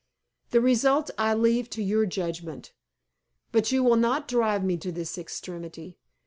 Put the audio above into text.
The result I leave to your judgment. But you will not drive me to this extremity.